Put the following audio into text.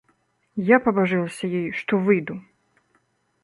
Я пабажылася ёй, што выйду.